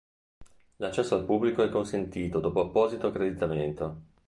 L'accesso al pubblico è consentito dopo apposito accreditamento.